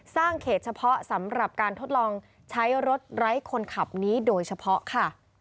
เขตเฉพาะสำหรับการทดลองใช้รถไร้คนขับนี้โดยเฉพาะค่ะ